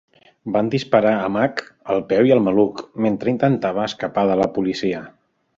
Van disparar a Mack al peu i al maluc mentre intentava escapar de la policia.